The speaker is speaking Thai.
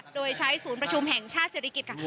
โดยใช้ศูนย์ประชุมแห่งชาติศิริกิจค่ะ